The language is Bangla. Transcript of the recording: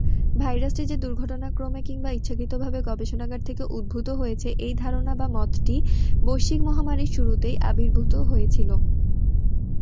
ভাইরাসটি যে দুর্ঘটনাক্রমে কিংবা ইচ্ছাকৃতভাবে গবেষণাগার থেকে উদ্ভূত হয়েছে, এই ধারণা বা মতটি বৈশ্বিক মহামারীর শুরুতেই আবির্ভূত হয়েছিল।